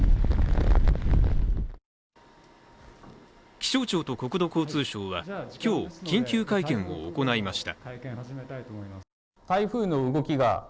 気象庁と国土交通省は今日、緊急会見を行いました。